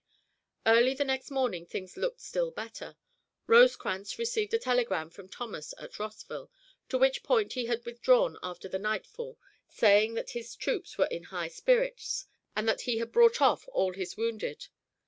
Early the next morning things looked still better. Rosecrans received a telegram from Thomas at Rossville, to which point he had withdrawn after the nightfall, saying that his troops were in high spirits, and that he had brought off all his wounded.